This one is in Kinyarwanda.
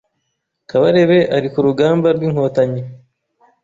Kabarebe ari kurugamba rw’inkotanyi